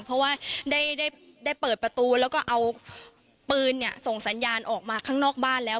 เพราะว่าได้เปิดประตูแล้วก็เอาปืนส่งสัญญาณออกมาข้างนอกบ้านแล้ว